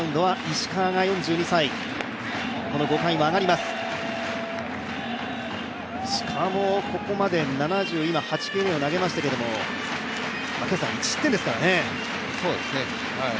石川もここまで７８球を投げましたけど、１失点ですからね。